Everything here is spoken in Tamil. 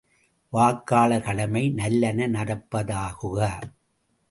வாக்காளர் கடமை நல்லன நடப்பதாகுக!